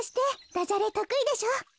ダジャレとくいでしょう。